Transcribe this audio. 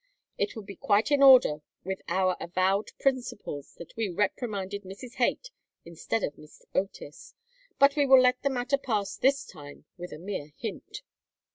It would be quite in order with our avowed principles that we reprimanded Mrs. Haight instead of Miss Otis, but we will let the matter pass this time with a mere hint.